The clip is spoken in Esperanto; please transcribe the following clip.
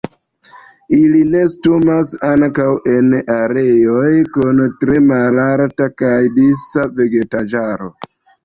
Ili nestumas ankaŭ en areoj kun tre malalta kaj disa vegetaĵaro.